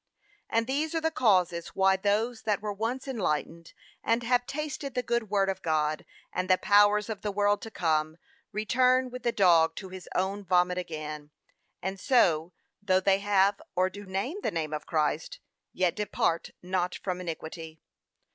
And these are the causes why those that were once enlightened, and have tasted the good word of God, and the powers of the world to come, return with the dog to his own vomit again; and so, though they have or do name the name of Christ, yet depart not from iniquity.